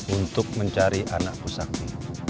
untuk mencari anakku sakti